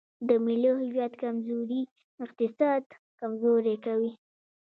د ملي هویت کمزوري اقتصاد کمزوری کوي.